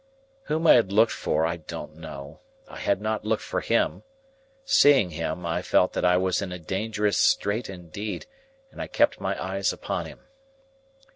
Whom I had looked for, I don't know. I had not looked for him. Seeing him, I felt that I was in a dangerous strait indeed, and I kept my eyes upon him.